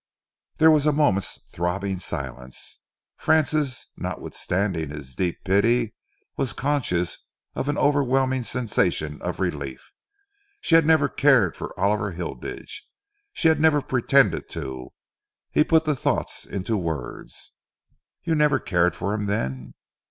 There was a moment's throbbing silence. Francis, notwithstanding his deep pity, was conscious of an overwhelming sensation of relief. She had never cared for Oliver Hilditch! She had never pretended to! He put the thought into words. "You never cared for him, then?"